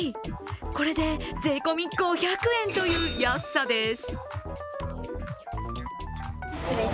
これで税込み５００円という安さです